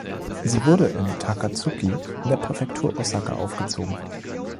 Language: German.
Sie wurde in Takatsuki in der Präfektur Osaka aufgezogen.